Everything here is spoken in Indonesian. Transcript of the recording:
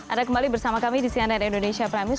ada kembali bersama kami di cnn indonesia prime news